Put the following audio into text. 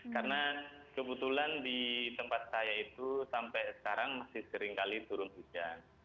karena kebetulan di tempat saya itu sampai sekarang masih seringkali turun hujan